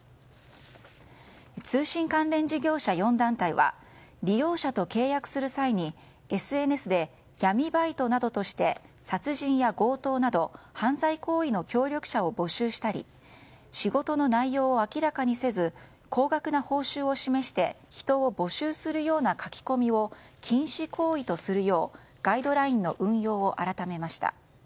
通信関連事業者４団体は利用者と契約する際にＳＮＳで闇バイトなどとして殺人や強盗など犯罪行為の協力者を募集したり仕事の内容を明らかにせず高額な報酬を示して人を募集するような書き込みを禁止行為とするようガイドラインの運用を改めました。